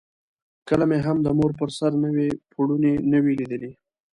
کله مې هم د مور پر سر نوی پوړونی نه وو لیدلی.